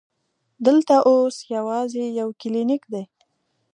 دلته اوس یوازې یو کلینک دی.